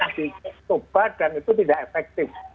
ini bisa ditoba dan itu tidak efektif